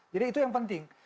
jadi itu yang penting